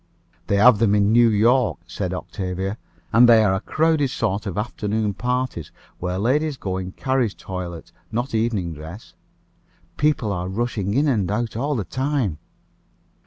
"They have them in New York," said Octavia; "and they are a crowded sort of afternoon parties, where ladies go in carriage toilet, not evening dress. People are rushing in and out all the time."